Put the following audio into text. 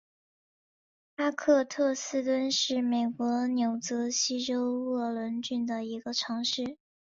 哈克特斯敦是美国纽泽西州沃伦郡的一个城市。